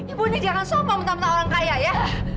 ibu ini jangan sombong tentang orang kaya ya